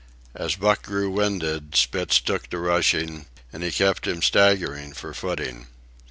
As Buck grew winded, Spitz took to rushing, and he kept him staggering for footing.